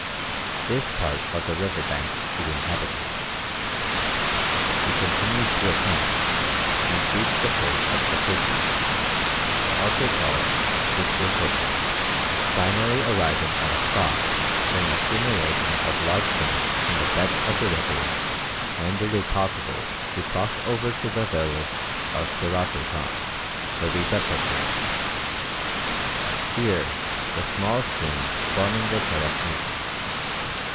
This part of the river banks is inhabited. We continued to ascend, and reached the foot of the Khoki, also called Istir Khoki, finally arriving at a spot where an accumulation of large stones in the bed of the river rendered it possible to cross over to the village of Tsiwratté Kan, where we breakfasted. Here the small streams forming the Terek meet.